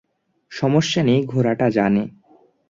সমস্যা নেই, ঘোড়াটা জানে।